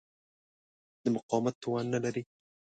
د مقاومت توان نه لري.